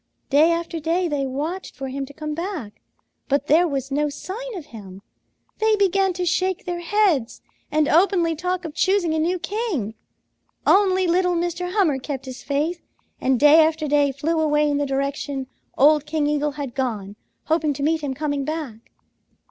"Day after day they watched for him to come back, but there was no sign of him; they began to shake their heads and openly talk of choosing a new king. Only little Mr. Hummer kept his faith and day after day flew away in the direction old King Eagle had gone, hoping to meet him coming back.